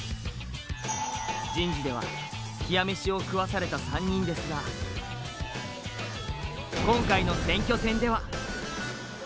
人事では冷や飯を食わされた３人ですが、今回の選挙戦では。